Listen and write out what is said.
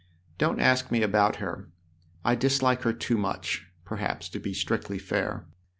" Don't ask me about her I dislike her too much, perhaps, to be strictly fair.